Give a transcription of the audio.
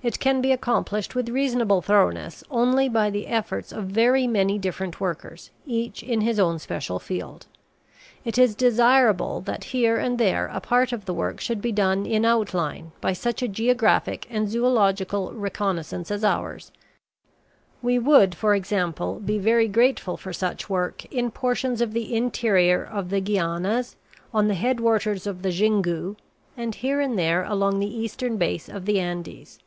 It can be accomplished with reasonable thoroughness only by the efforts of very many different workers, each in his own special field. It is desirable that here and there a part of the work should be done in outline by such a geographic and zoological reconnaissance as ours; we would, for example, be very grateful for such work in portions of the interior of the Guianas, on the headwaters of the Xingu, and here and there along the eastern base of the Andes.